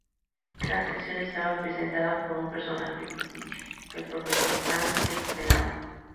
La sección estaba presentada por un personaje ficticio, el profesor Franz de Copenhague.